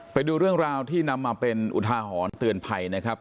ไปดูเรื่องราวที่นำมาเป็นอุทาหรณ์เตือนภัยนะครับ